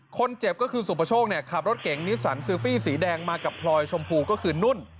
คนเจ็บก็คือสุประโชคขับรถเก๋งนิสันซิลฟี่สีแดงมากับพลอยชมพูก็คือนุ่น